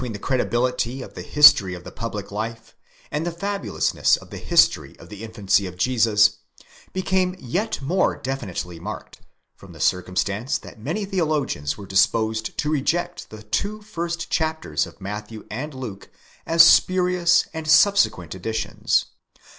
the credibility of the history of the public life, and the fabulousness of the history of the infancy of Jesus, became'yet more definitely marked, from the circumstance that many theologians were disposed to reject the two first chapters of Matthew and Luke as spurious and subsequent additions.?